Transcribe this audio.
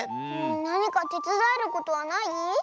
なにかてつだえることはない？